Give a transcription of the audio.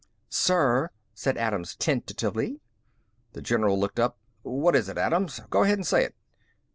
"Sir," said Adams tentatively. The general looked up. "What is it, Adams? Go ahead and say it."